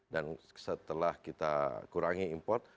dan setelah kita kurangi import